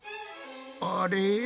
あれ？